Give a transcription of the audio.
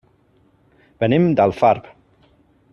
Venim d'Alfarb.